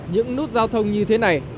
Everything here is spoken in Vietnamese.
những nút giao thông như thế này